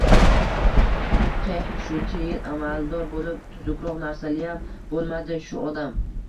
«Xeh, shuncha yil amaldor bo‘lib tuzukroq narsaliyam bo‘lmadi shu odam